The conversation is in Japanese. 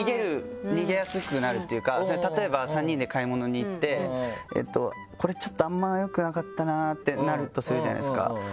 逃げやすくなるっていうか例えば３人で買い物に行って「これちょっとあんま良くなかったな」ってなるとするじゃないですか。